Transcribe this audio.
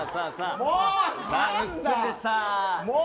もう！